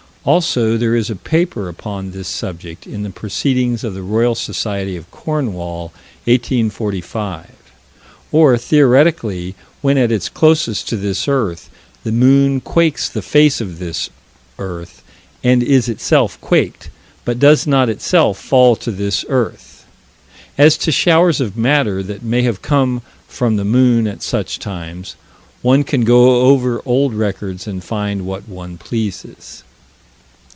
Also there is a paper upon this subject in the Proc. Roy. Soc. of Cornwall, 1845. Or, theoretically, when at its closest to this earth, the moon quakes the face of this earth, and is itself quaked but does not itself fall to this earth. As to showers of matter that may have come from the moon at such times one can go over old records and find what one pleases.